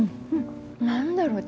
何だろう